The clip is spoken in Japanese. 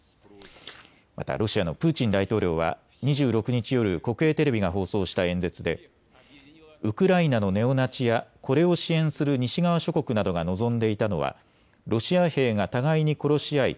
またロシアのプーチン大統領は２６日夜、国営テレビが放送した演説でウクライナのネオナチやこれを支援する西側諸国などが望んでいたのはロシア兵が互いに殺し合い